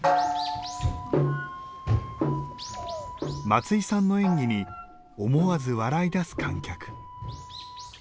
松井さんの演技に思わず笑いだす観客。